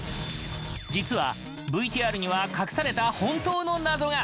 実はＶＴＲには隠された本当の謎が！